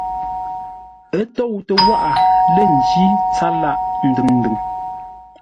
Ə́ tóutə́ wághʼə lə́ ńjí tsâr lâʼ ndʉŋ-ndʉŋ.